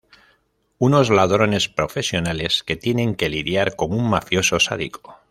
Unos ladrones profesionales que tienen que lidiar con un mafioso sádico.